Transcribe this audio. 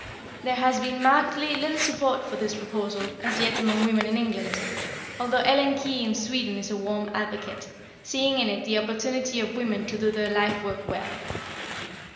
There has been markedly little support for this proposal as yet among women in England, although Ellen Key in Sweden is a warm advocate, seeing in it the opportunity of women to do their life work well.